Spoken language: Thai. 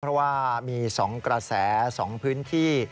เพราะว่ามี๒กระแส๒พื้นที่